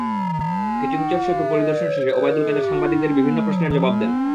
কিটিংচর সেতু পরিদর্শন শেষে ওবায়দুল কাদের সাংবাদিকদের বিভিন্ন প্রশ্নের জবাব দেন।